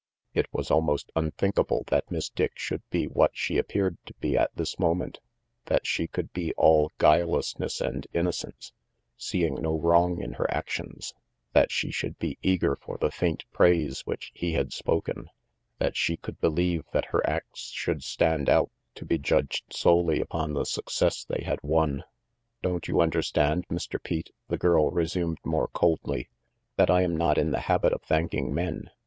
It was almost unthinkable that Miss Dick should be what she appeared to be at this moment, that she could be all guilelessness and innocence, seeing no wrong in her actions, that she should be eager for the faint praise which he had spoken, that she could believe that her acts should stand out to be judged solely upon the success they had won. "Don't you understand, Mr. Pete," the girl resumed more coldly, "that I am not in the habit of thanking men.